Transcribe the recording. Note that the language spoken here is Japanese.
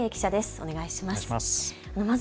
お願いします。